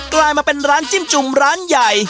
กลายมาเป็นร้านจิ้มจุ่มร้านใหญ่